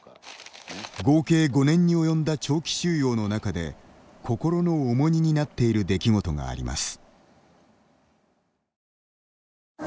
合計５年に及んだ長期収容の中で心の重荷になっている出来事があります。